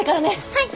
はい！